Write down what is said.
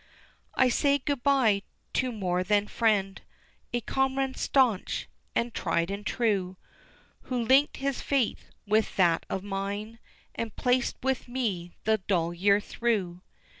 I say good bye to more than friend, A comrade staunch, and tried and true, Who linked his fate with that of mine, And paced with me the dull year through.